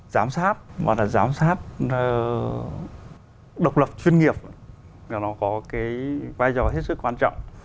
giám sát hoặc là giám sát độc lập chuyên nghiệp là nó có cái vai trò hết sức quan trọng